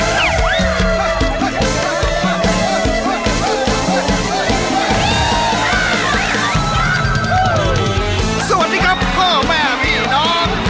สวัสดีครับพ่อแม่พี่น้อง